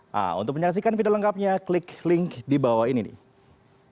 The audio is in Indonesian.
pemprov pemprov telah menerima penyelesaian dari pemprov pemprov